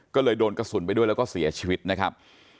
ก็เลยโดนกระสุนไปด้วยแล้วก็เสียชีวิตนะครับ